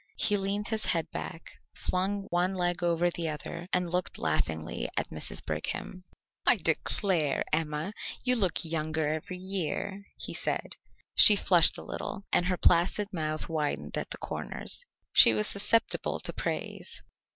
He leaned his head back, flung one leg over the other, and looked laughingly at Mrs. Brigham. "I declare, Emma, you grow younger every year," he said. She flushed a little, and her placid mouth widened at the corners. She was susceptible to praise.